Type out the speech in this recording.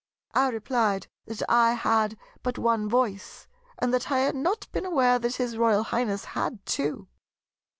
I replied that I had but one voice, and that I had not been aware that his Royal Highness had two.